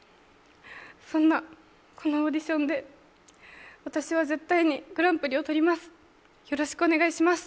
そんなこのオーディションで私は絶対にグランプリを取ります。